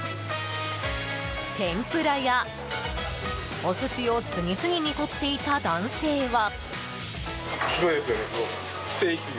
天ぷらやお寿司を次々に取っていた男性は。